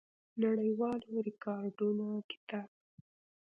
نړیوالو ریکارډونو کتاب